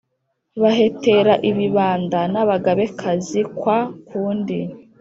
bahetera ibibanda n ábagabékazi kwáa kundi